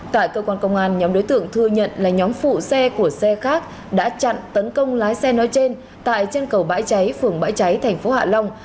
tại cơ quan công an nhóm đối tượng thừa nhận là nhóm phụ xe của xe khác đã chặn tấn công lái xe nói trên tại chân cầu bãi cháy phường bãi cháy thành phố hạ long